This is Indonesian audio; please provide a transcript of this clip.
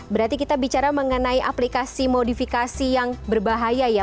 berarti kita bicara mengenai aplikasi modifikasi yang berbahaya ya